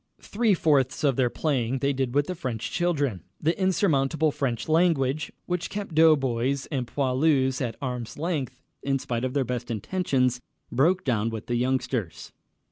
Three fourths of their playing they did with the French children. The insurmountable French language, which kept doughboys and poilus at arm's length in spite of their best intentions, broke down with the youngsters.